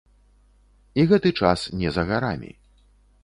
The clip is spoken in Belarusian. І гэты час не за гарамі.